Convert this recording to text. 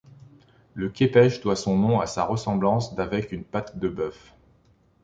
Le khépesh doit son nom à sa ressemblance d'avec une patte de bœuf.